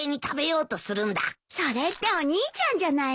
それってお兄ちゃんじゃないの。